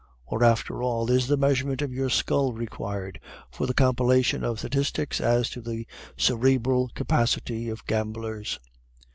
Or, after all, is the measurement of your skull required for the compilation of statistics as to the cerebral capacity of gamblers?